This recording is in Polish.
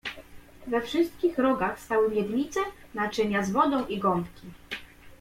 "We wszystkich rogach stały miednice, naczynia z wodą i gąbki."